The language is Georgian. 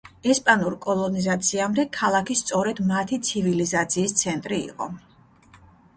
ესპანურ კოლონიზაციამდე, ქალაქი სწორედ მათი ცივილიზაციის ცენტრი იყო.